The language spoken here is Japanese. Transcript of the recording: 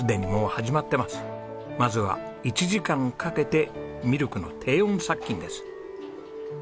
まずは１時間かけてミルクの低温殺菌です。